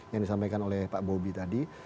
yang disampaikan oleh pak bobi tadi